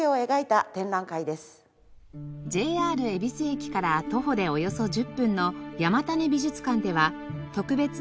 ＪＲ恵比寿駅から徒歩でおよそ１０分の山種美術館では特別展